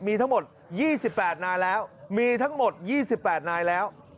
มีทั้งหมด๒๘นายแล้วมีทั้งหมด๒๘นายแล้ว